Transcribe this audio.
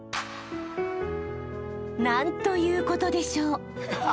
［何ということでしょう］